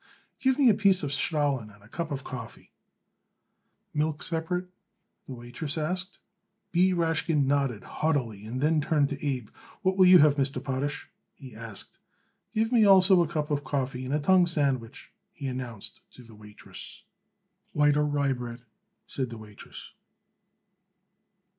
Give me a piece of stollen and a cup of coffee." "Milk separate?" the waitress asked. B. Rashkin nodded haughtily and then turned to Abe. "What will you have, Mr. Potash?" he asked. "Give me also a cup of coffee and a tongue sandwich," he announced to the waitress. "White or rye bread?" said the waitress.